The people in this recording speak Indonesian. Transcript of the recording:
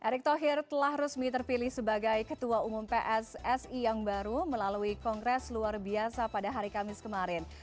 erick thohir telah resmi terpilih sebagai ketua umum pssi yang baru melalui kongres luar biasa pada hari kamis kemarin